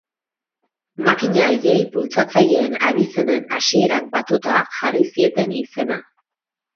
Makina haiei bultzatzaileen abizenen hasierak batuta jarri zieten izena.